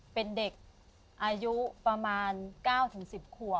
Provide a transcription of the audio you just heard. เป็นเด็กอายุประมาณ๙๑๐ขวบเค้าก็เรียกไอไข่